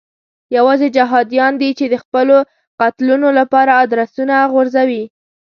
یوازې جهادیان دي چې د خپلو قتلونو لپاره ادرسونه غورځوي.